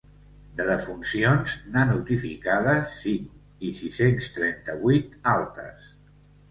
De defuncions, n’ha notificades cinc, i sis-cents trenta-vuit altes.